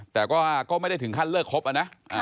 แต่ก็ไม่ได้ถึงขั้นเลิกครบนะ